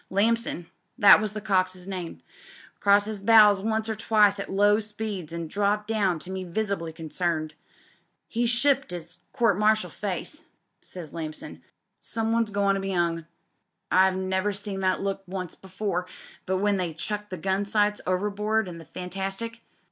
Lamson — ^that was the cox*s name — crossed 'is bows once or twice at low speeds an' dropped down to me visibly concerned. 'He's shipped 'is court martial face,' says Lamson. 'Some one's goin' to be 'ung. I've never seen that look but once before when they chucked the gun sights over board in tho Fantastic.'